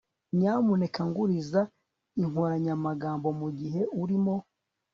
nyamuneka nguriza inkoranyamagambo mugihe urimo